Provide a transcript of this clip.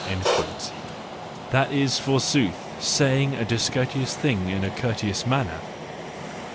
—That is, forsooth, saying a discour¬ teous thing in a courteous manner!